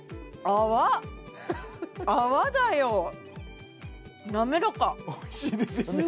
泡だよおいしいですよね